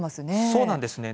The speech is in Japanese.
そうなんですね。